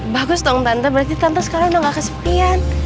bagus dong tante berarti tante sekarang udah gak kesepian